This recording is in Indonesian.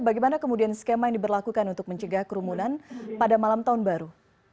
bagaimana kemudian skema yang diberlakukan untuk mencegah kerumunan pada malam tahun baru